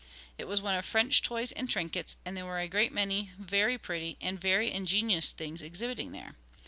It was one of French toys and trinkets, and there were a great many very pretty and very ingenious things exhibiting there.